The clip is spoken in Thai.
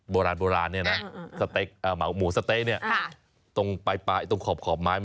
โบราณเนี่ยนะหมูสะเต๊ะเนี่ยตรงปลายตรงขอบไม้